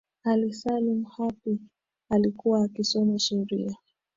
ally salum hapi alikuwa akisoma sheria